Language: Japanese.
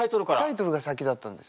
タイトルが先だったんです。